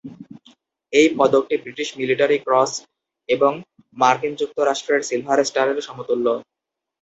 এই পদকটি British Military Cross এবং মার্কিন যুক্তরাষ্ট্রের সিলভার স্টারের সমতুল্য।